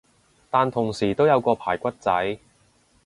但同時都有個排骨仔